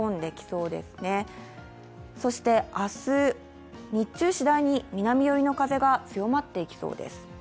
そして明日、日中しだいに南寄りの風が強まっていきそうです。